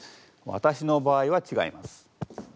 私の場合は違います。